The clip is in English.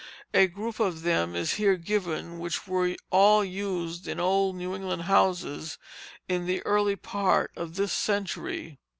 A group of them is here given which were all used in old New England houses in the early part of this century.